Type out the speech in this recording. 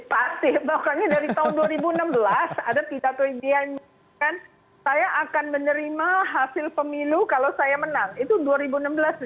pasti makanya dari tahun dua ribu enam belas ada pidato ini yang menyatakan saya akan menerima hasil pemilu kalau saya menang itu dua ribu enam belas nih